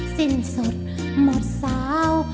สิ้นสดหมดสาว